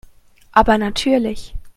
Aber natürlich.